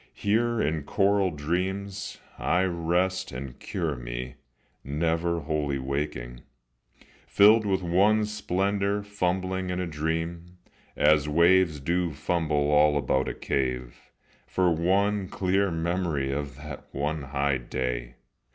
Here in coral dreams I rest and cure me, never wholly waking, Filled with one splendor, fumbling in a dream, As waves do fumble all about a cave, For one clear memory of that one high day.